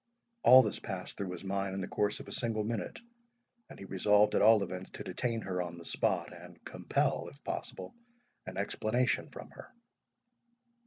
All this passed through his mind in the course of a single minute; and he resolved at all events to detain her on the spot, and compel, if possible, an explanation from her.